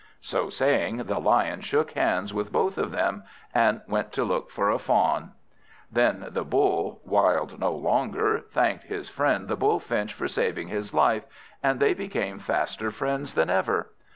So saying, the Lion shook hands with both of them, and went to look for a fawn. Then the Bull, wild no longer, thanked his friend the Bullfinch for saving his life, and they became faster friends than ever.